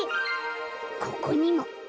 ここにも。